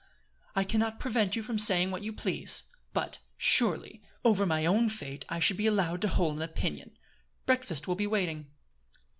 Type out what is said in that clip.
"I can not prevent you from saying what you please; but, surely, over my own fate I should be allowed to hold an opinion. Breakfast will be waiting."